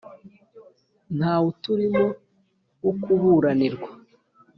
nta wuturimo wo kuburanirwa,